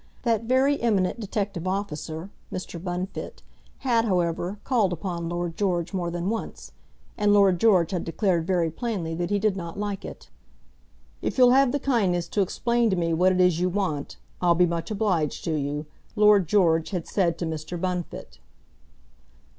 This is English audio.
That very eminent detective officer, Mr. Bunfit, had, however, called upon Lord George more than once, and Lord George had declared very plainly that he did not like it. "If you'll have the kindness to explain to me what it is you want, I'll be much obliged to you," Lord George had said to Mr. Bunfit.